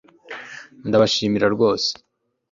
Ndabashimira rwose